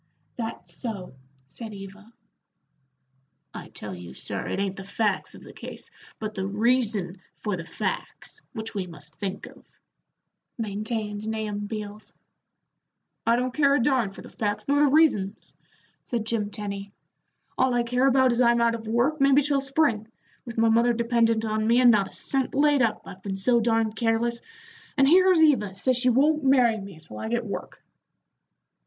"That's so," said Eva. "I tell you, sir, it ain't the facts of the case, but the reason for the facts, which we must think of," maintained Nahum Beals. "I don't care a darn for the facts nor the reasons," said Jim Tenny; "all I care about is I'm out of work maybe till spring, with my mother dependent on me, and not a cent laid up, I've been so darned careless, and here's Eva says she won't marry me till I get work."